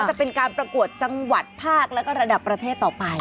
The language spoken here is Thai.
จะเป็นการประกวดจังหวัดภาคแล้วก็ระดับประเทศต่อไป